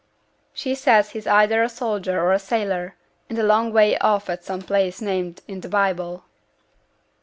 'She says he's either a soldier or a sailor, and a long way off at some place named in t' Bible.'